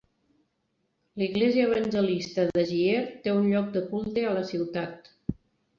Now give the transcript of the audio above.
L'Església Evangelista de Gier té un lloc de culte a la ciutat.